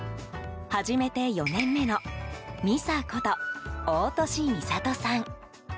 初めて４年目のミサこと、大利弥里さん。